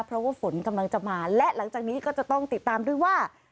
เพราะว่าฝนกำลังจะมาและหลังจากนี้ก็จะต้องติดตามด้วยว่า